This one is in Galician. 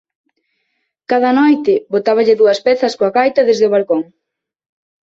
Cada noite botáballe dúas pezas coa gaita desde o balcón.